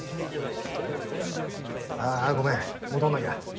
ああごめん戻んなきゃ。